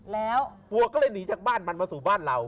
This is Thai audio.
แล้วปัวก็เลยหนีจากบ้านมันมาสู่บ้านเรา